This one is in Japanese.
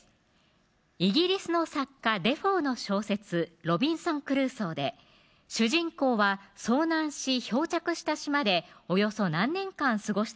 イギリスの作家・デフォーの小説ロビン主人公は遭難し漂着した島でおよそ何年間過ごしたでしょう